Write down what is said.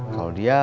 kalau dia gak tau